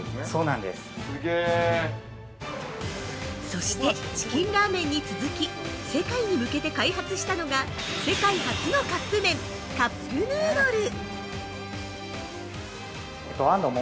◆そして、チキンラーメンに続き世界に向けて開発したのが世界初のカップ麺カップヌードル。